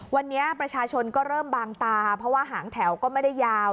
วันนี้ประชาชนก็เริ่มบางตาเพราะว่าหางแถวก็ไม่ได้ยาว